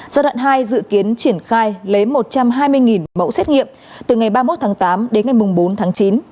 giai đoạn hai dự kiến triển khai lấy một trăm hai mươi mẫu xét nghiệm từ ngày ba mươi một tháng tám đến ngày bốn tháng chín